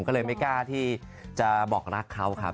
ก็เลยไม่กล้าที่จะบอกรักเขาครับ